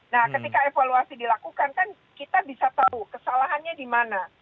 nah ketika evaluasi dilakukan kan kita bisa tahu kesalahannya di mana